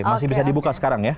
masih bisa dibuka sekarang ya